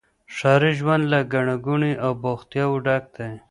ښاري ژوند له ګڼي ګوڼي او بوختياوو ډک دی.